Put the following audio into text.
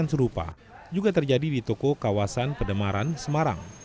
serupa juga terjadi di toko kawasan pedemaran semarang